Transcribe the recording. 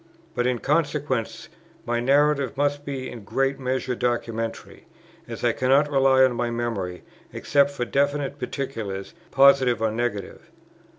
But in consequence, my narrative must be in great measure documentary, as I cannot rely on my memory, except for definite particulars, positive or negative.